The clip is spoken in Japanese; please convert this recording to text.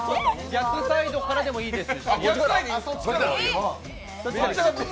逆サイドからでもいいです。